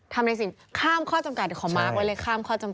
ทำในสิ่งข้ามข้อจำกัดของมาร์คไว้เลยข้ามข้อจำกัด